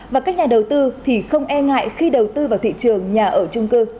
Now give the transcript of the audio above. và các nhà đầu tư thì không e ngại khi đầu tư vào thị trường nhà ở trung cư